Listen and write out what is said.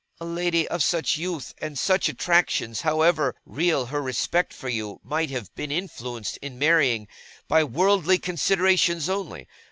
' a lady of such youth, and such attractions, however real her respect for you, might have been influenced in marrying, by worldly considerations only.